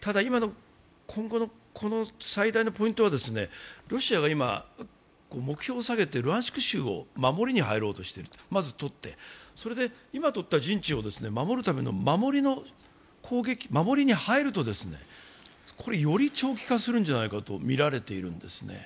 ただ、今後の最大のポイントは、ロシアが今、目標を下げて、ルハンシク州を守りに入ろうとしている、まずとって、今とった陣地を守るための守りに入るとより長期化するんじゃないかとみられているんですね。